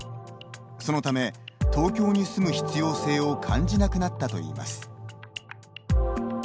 そのため東京に住む必要性を感じなくなったといいます。